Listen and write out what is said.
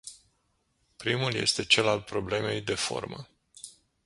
Primul este cel al problemei de formă.